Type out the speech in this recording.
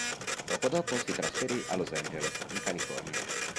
Poco dopo si trasferì a Los Angeles, in California.